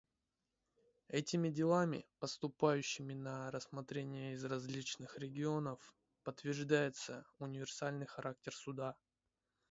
Этими делами, поступающими на рассмотрение из различных регионов, подтверждается универсальный характер Суда.